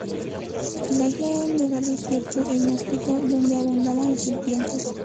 La isla era un lugar desierto e inhóspito donde abundaban las serpientes.